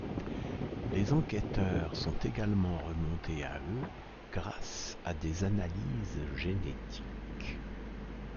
Les enquêteurs sont également remontés à eux grâce à des analyses génétiques.